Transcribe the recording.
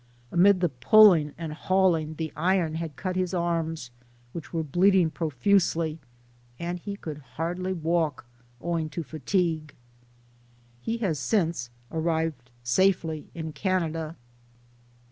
Amid the pulling and hauling, the iron had cut his arms, which were bleeding profusely, and he could hardly walk, owing to fatigue. He has since arrived safely in Canada.